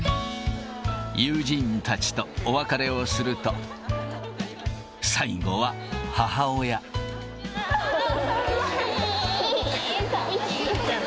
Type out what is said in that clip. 友人たちとお別れをすると、さみしー！